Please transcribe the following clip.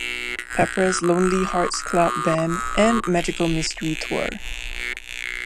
Pepper's Lonely Hearts Club Band" and "Magical Mystery Tour".